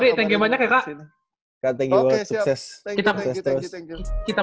oke kak adi thank you banyak ya kak